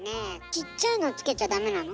ちっちゃいのつけちゃダメなの？